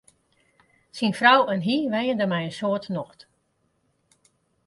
Syn frou en hy wenje dêr mei in soad nocht.